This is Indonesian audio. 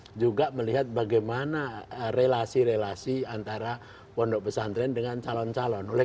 mereka juga bisa melihat bagaimana relasi relasi antara wendok pesantren dan masyarakat